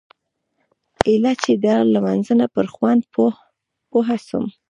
ايله چې د لمانځه پر خوند پوه سوم.